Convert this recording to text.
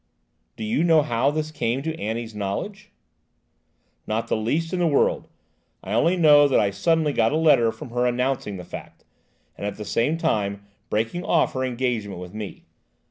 "Do you know how this came to Annie's knowledge?" "Not the least in the world; I only know that I suddenly got a letter from her announcing the fact, and at the same time, breaking off her engagement with me.